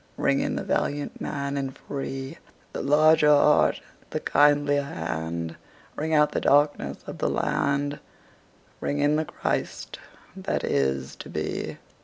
Ring in the valiant man and free, The larger heart, the kindlier hand; Ring out the darkenss of the land, Ring in the Christ that is to be.